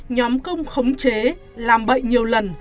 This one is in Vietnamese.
nhóm công khống chế làm bậy nhiều lần